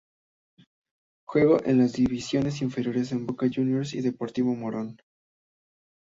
Jugó en las divisiones inferiores de Boca Juniors y Deportivo Morón.